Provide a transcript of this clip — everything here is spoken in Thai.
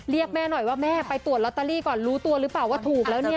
เรียกแม่หน่อยว่าแม่ไปตรวจลอตเตอรี่ก่อนรู้ตัวหรือเปล่าว่าถูกแล้วเนี่ย